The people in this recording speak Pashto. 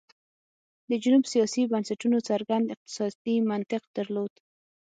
د جنوب سیاسي بنسټونو څرګند اقتصادي منطق درلود.